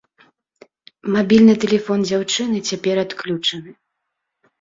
Мабільны тэлефон дзяўчыны цяпер адключаны.